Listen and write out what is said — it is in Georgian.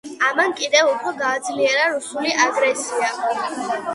ამან კიდევ უფრო გააძლიერა რუსული აგრესია.